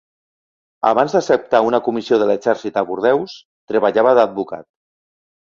Abans d'acceptar una comissió de l'exèrcit a Bordeus, treballava d'advocat.